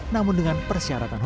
namun dengan persyaratan